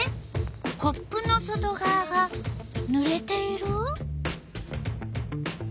コップの外がわがぬれている？